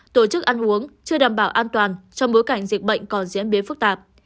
tổ chức ăn uống chưa đảm bảo an toàn trong bối cảnh dịch bệnh còn diễn biến phức tạp